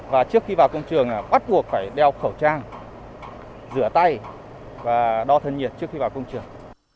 và trước khi vào công trường bắt buộc phải đeo khẩu trang rửa tay và đo thân nhiệt trước khi vào công trường